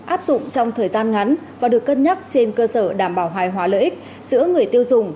áp dụng trong thời gian ngắn và được cân nhắc trên cơ sở đảm bảo hài hòa lợi ích giữa người tiêu dùng